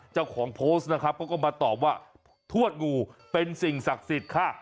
เจ้าของโพสต์นะครับเขาก็มาตอบว่าทวดงูเป็นสิ่งศักดิ์สิทธิ์ค่ะ